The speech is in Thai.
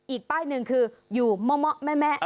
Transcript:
อีกป้ายหนึ่งคืออยู่เหมาะแม่